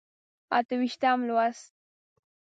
اته ویشتم لوست.